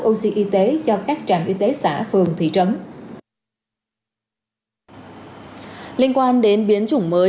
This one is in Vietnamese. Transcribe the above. oxy y tế cho các trạm y tế xã phường thị trấn